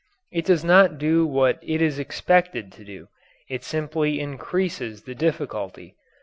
It does not do what it is expected to do. It simply increases the difficulty.